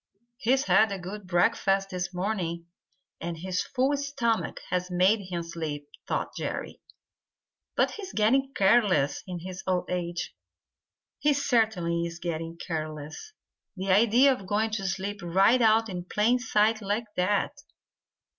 "He's had a good breakfast this morning, and his full stomach has made him sleepy," thought Jerry. "But he's getting careless in his old age. He certainly is getting careless. The idea of going to sleep right out in plain sight like that!"